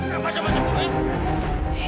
jangan macam macam kamu ya